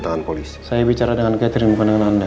tangan polisi saya bicara dengan catherine bukan dengan anda